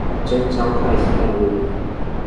中彰快速道路